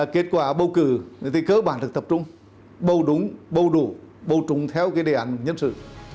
kết quả bầu cử thì cơ bản được tập trung bầu đúng bầu đủ bầu trung theo cái đề ảnh nhân sự